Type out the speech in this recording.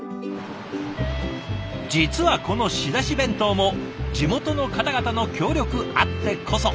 実はこの仕出し弁当も地元の方々の協力あってこそ。